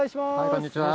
こんにちは。